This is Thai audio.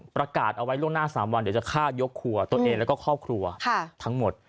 ประกาศเอาไว้ล่วงหน้า๓วันเดี๋ยวจะฆ่ายกครัวตัวเองแล้วก็ครอบครัวทั้งหมด